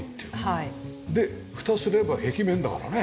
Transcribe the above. でふたすれば壁面だからね。